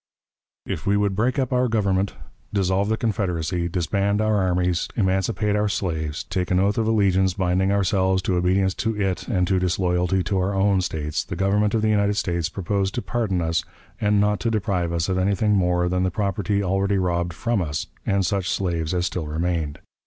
If we would break up our Government, dissolve the Confederacy, disband our armies, emancipate our slaves, take an oath of allegiance, binding ourselves to obedience to it and to disloyalty to our own States, the Government of the United States proposed to pardon us, and not to deprive us of anything more than the property already robbed from us, and such slaves as still remained.